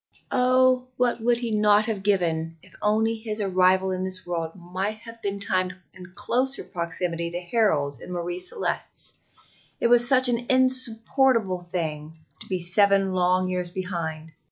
Oh, what would he not have given if only his arrival in this world might have been timed in closer proximity to Harold's and Marie Celeste's it was such an insupportable thing to be seven long years behind!